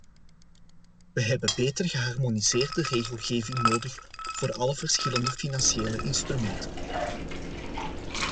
We hebben beter geharmoniseerde regelgeving nodig voor alle verschillende financiële instrumenten.